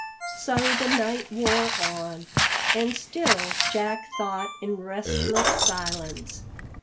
So the night wore on, and still Jack thought in restless silence.